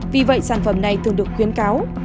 vì vậy sản phẩm này thường được khuyến cáo